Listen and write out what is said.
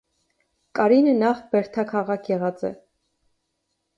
Կարինը նախ բերդաքաղաք եղած է։